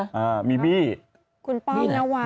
อ่ามีบี้คุณป้องนวา